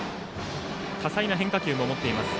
多彩な変化球を持っています。